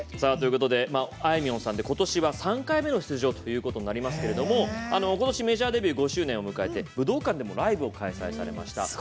あいみょんさん、今年は３回目の出場となりますがことしメジャーデビュー５周年を迎えて武道館でもライブを開催されました。